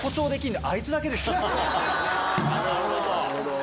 なるほど！